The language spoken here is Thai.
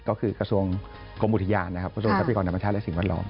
ก็คือกระทรวงกรมอุทยานนะครับกระทรวงทรัพยากรธรรมชาติและสิ่งแวดล้อม